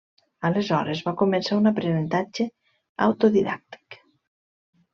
Aleshores va començar un aprenentatge autodidàctic.